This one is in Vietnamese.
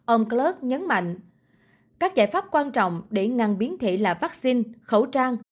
ông klut nhấn mạnh các giải pháp quan trọng để ngăn biến thể là vaccine khẩu trang